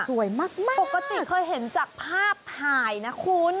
ปกติเคยเห็นจากภาพถ่ายนะคุณ